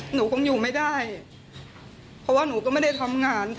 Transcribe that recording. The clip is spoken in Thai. หนูอยากเอาไอ้แฟนหัวออก